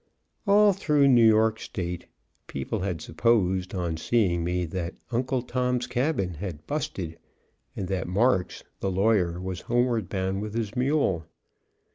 All through New York State people had supposed on seeing me that "Uncle Tom's Cabin" had "busted," and that Marks, the lawyer, was homeward bound with his mule.